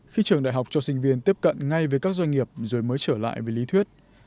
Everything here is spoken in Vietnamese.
khi trường đại học cho sinh viên tiếp cận ngay với các doanh nghiệp rồi mới trở lại với lý thuyết